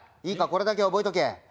いいかこれだけは覚えとけ。